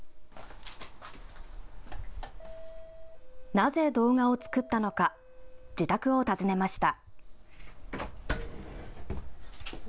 なぜ動画を作ったのか自宅を訪ねました。